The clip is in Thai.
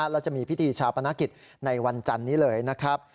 และจะมีพิธีชาปนกิจในวันจันนี้เลยนะครับ